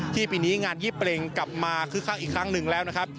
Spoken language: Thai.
ปีนี้งานยี่เปรงกลับมาคึกคักอีกครั้งหนึ่งแล้วนะครับ